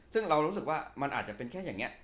ซึ่งเรารู้สึกว่ามันอาจจะเป็นแค่อย่างนี้